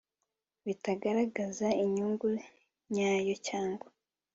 bitagaragaza inyungu nyayo cyangwa